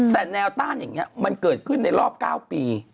แต่แนวต้านอย่างนี้มันเกิดขึ้นในรอบ๙ปี